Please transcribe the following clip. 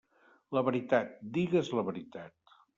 La veritat..., digues la veritat.